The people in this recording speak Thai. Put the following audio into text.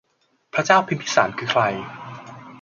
พระเจ้าพิมพิสาร คือใคร